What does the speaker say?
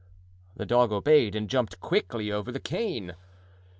The dog obeyed and jumped quickly over the cane.